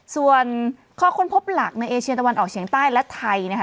ส่วนข้อค้นพบหลักในเอเชียตะวันออกเฉียงใต้และไทยนะคะ